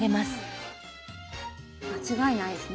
間違いないですね。